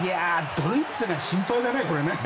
ドイツが心配だね。